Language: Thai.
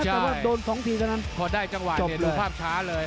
ใช่แต่ว่าโดนสองทีเท่านั้นพอได้จังหวะเนี้ยดูภาพช้าเลย